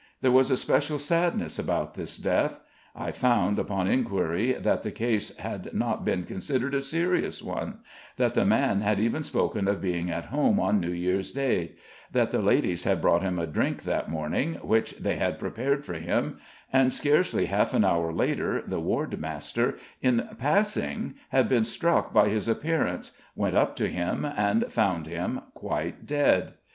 There was a special sadness about this death. I found, upon inquiry, that the case had not been considered a serious one; that the man had even spoken of being at home on New Year's Day; that the ladies had brought him a drink that morning, which they had prepared for him; and scarcely half an hour later, the wardmaster, in passing, had been struck by his appearance, went up to him, and found him quite dead.